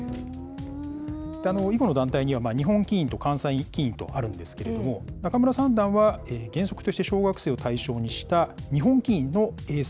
囲碁の団体には、日本棋院と関西棋院とあるんですけれども、仲邑三段は、原則として小学生を対象にした、日本棋院の英才